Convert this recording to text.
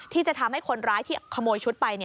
ที่จะทำให้คนร้ายที่ขโมยชุดไป